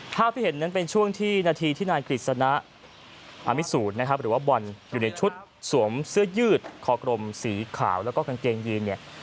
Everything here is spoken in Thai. ภาพที่เห็นนั้นเป็นช่วงที่นาทีที่นายกฤษณะอมิสูตรนะครับหรือว่าบอลอยู่ในชุดสวมเสื้อยืดคอกลมสีขาวแล้วก็กางเกงยีนเนี่ย